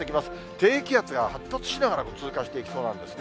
低気圧が発達しながら通過していきそうなんですね。